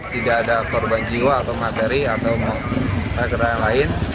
tidak ada korban jiwa atau madari atau pergerakan lain